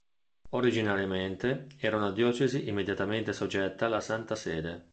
Originariamente era una diocesi immediatamente soggetta alla Santa Sede.